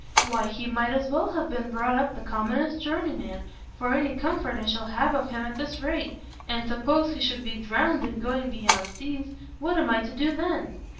why he might as well have been brought up the commonest journeyman, for any comfort I shall have of him at this rate. And suppose he should be drowned in going beyond seas? what am I to do then?"